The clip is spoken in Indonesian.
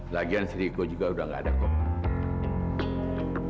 lagian si riko juga udah gak ada koma